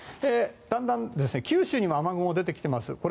だんだん九州にも雨雲が出てきています。